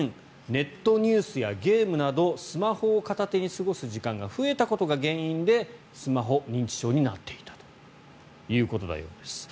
ネットニュースやゲームなどスマホを片手に過ごす時間が増えたことが原因でスマホ認知症になっていたということのようです。